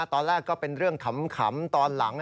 ตอนแรกก็เป็นเรื่องขำตอนหลัง